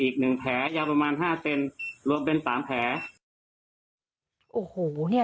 อีกหนึ่งแผลยาวประมาณ๕เซนติลบเป็น๓แผล